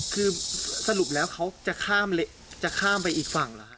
คือสรุปแล้วเขาจะข้ามไปอีกฝั่งเหรอฮะ